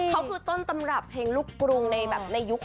เขาคือต้นตำรับเพลงลูกกลุลงในยุคนี้